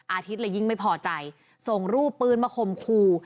อาทิตย์เลยยิ่งไม่พอใจส่งรูปปืนมาข่มขู่